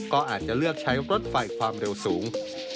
ก็อาจจะเลือกใช้รถไฟความเร็วสูง